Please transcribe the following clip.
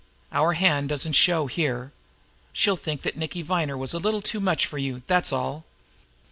Our hand doesn't show here. She'll think that Nicky Viner was a little too much for you, that's all.